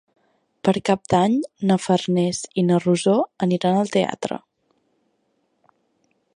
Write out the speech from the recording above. Per Cap d'Any na Farners i na Rosó aniran al teatre.